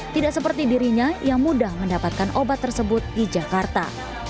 tidak seperti dirinya yang mudah mendapatkan obat tersebut di jakarta